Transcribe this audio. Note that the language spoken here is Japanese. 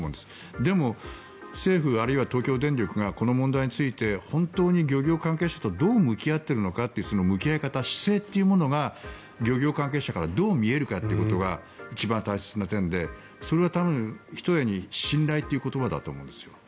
でも、政府、あるいは東京電力がこの問題について本当に漁業関係者とどう向き合っているのかという向き合い方、姿勢というものが漁業関係者からどう見えるのかということが一番大切な点でそれは多分、ひとえに信頼という言葉だと思うんですよ。